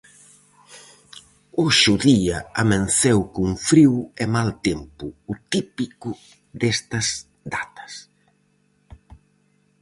Hoxe o día amenceu con frío e mal tempo, o típico destas datas.